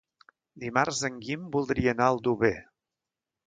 Dimarts en Guim voldria anar a Aldover.